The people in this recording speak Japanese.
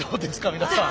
皆さん。